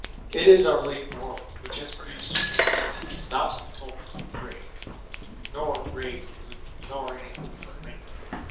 It is our later world which has produced green tintings not to be told fom gray, nor gray from blue, nor anything from anything.